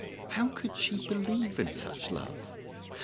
How could she believe in such love?